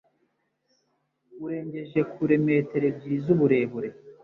urengeje kure metero ebyiri, z' uburebure